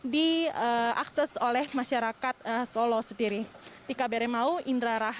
diakses oleh masyarakat solo sendiri